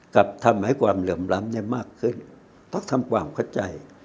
กับทำให้ความเหลื่อมล้ำมากขึ้นต้องทำความเข้าใจ